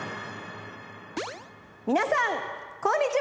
みなさんこんにちは！